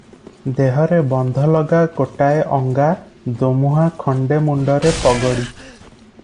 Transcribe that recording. ଦେହରେ ବନ୍ଧଲଗା ଗୋଟାଏ ଅଙ୍ଗା, ଦୋମୁହାଁ ଖଣ୍ଡେ ମୁଣ୍ଡରେ ପଗଡ଼ି ।